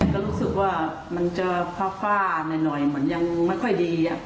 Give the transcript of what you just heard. ก็รู้สึกว่ามันจะฟ้าหน่อยเหมือนยังไม่ค่อยดี